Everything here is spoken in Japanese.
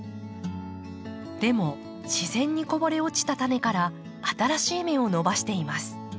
でも自然にこぼれ落ちたタネから新しい芽を伸ばしています。